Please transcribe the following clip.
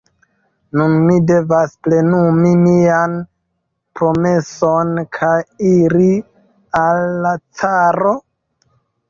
Nun mi devas plenumi mian promeson, kaj iri al la caro.